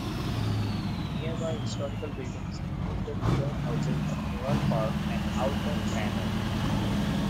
Nearby historical buildings include the Tudor houses of Newark Park and Owlpen Manor.